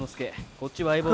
こっちは相棒の。